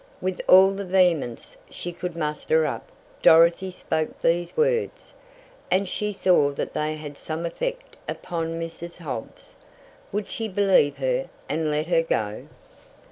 With all the vehemence she could muster up Dorothy spoke these words, and she saw that they had some effect upon Mrs. Hobbs. Would she believe her, and let her go?